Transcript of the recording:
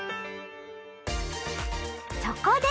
そこで！